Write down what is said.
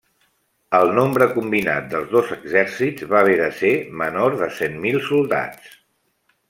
El nombre combinat dels dos exèrcits va haver de ser menor de cent mil soldats.